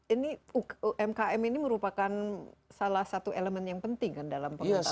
ini umkm ini merupakan salah satu elemen yang penting kan dalam pengembangan